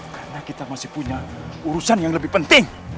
karena kita masih punya urusan yang lebih penting